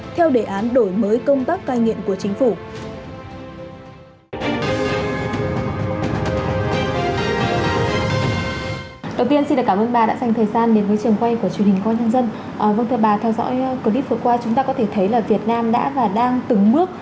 theo đề án đổi mới công tác cai nghiện của chính phủ